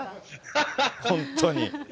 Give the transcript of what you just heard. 本当に。